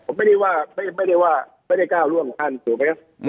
ผมไม่ได้ว่าไม่ได้ว่าไม่ได้ก้าวร่วงท่านถูกไหม